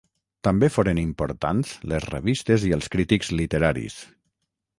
També foren importants les revistes i els crítics literaris.